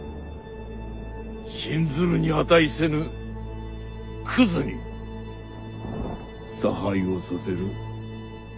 信ずるに値せぬクズに差配をさせる極楽組とやらは。